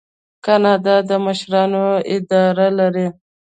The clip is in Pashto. کاناډا د مشرانو اداره لري.